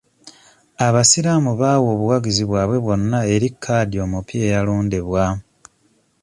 Abasiraamu bawa obuwagizi bwabwe bwonna eri kadhi omupya eyalondebwa.